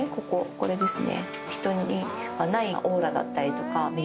これですね。